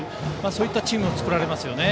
そういったチームを作られますよね。